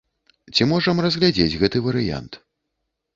Ці можам разглядзець гэты варыянт.